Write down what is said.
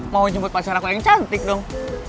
mau jemput pacar aku yang cantik dong